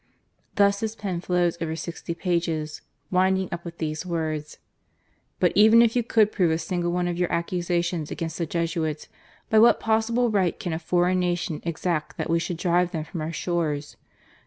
" Thus his pen flows over sixty pages, winding up with these words :" But even if you could prove a single one of your accusations against the Jesuits, by what possible right can a foreign nation exact that we should drive them from our shores